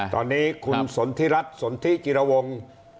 ตอนนี้คุณสนทิรัฐสนทิจิรวงศ์